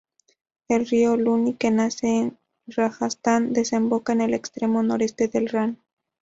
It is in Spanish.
El río Luni, que nace en Rajastán, desemboca en el extremo noreste del Rann.